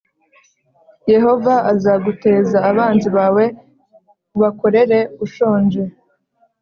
Yehova azaguteza abanzi bawe ubakorere ushonje